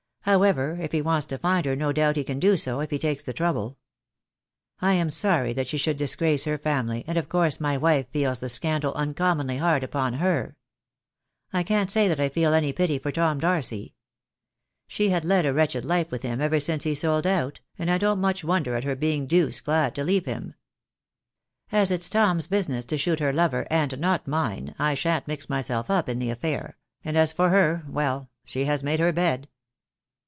However, if he wants to find her no doubt he can do so, if he takes the trouble. I am sorry she should disgrace her family, and of course my wife feels the scandal uncommonly hard upon her. I can't say that I feel any pity for Tom Darcy. She had led a wretched life with him ever since he sold out, and I don't much wonder at her being deuced glad to leave him. As it's Tom business to shoot her lover, and not mine, I shan't mix myself up in the affair — and as for her, well, she has made her bed